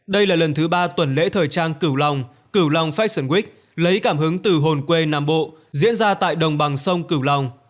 đây là lần thứ ba tuần lễ thời trang cửu long cửu long fashion wick lấy cảm hứng từ hồn quê nam bộ diễn ra tại đồng bằng sông cửu long